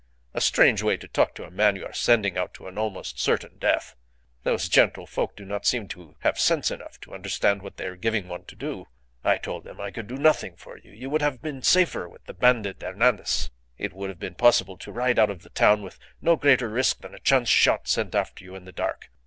A strange way to talk to a man you are sending out to an almost certain death. Those gentlefolk do not seem to have sense enough to understand what they are giving one to do. I told them I could do nothing for you. You would have been safer with the bandit Hernandez. It would have been possible to ride out of the town with no greater risk than a chance shot sent after you in the dark.